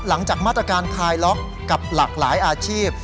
หลังจากมาตรการคลายล็อกกับหลากหลายอาชีพ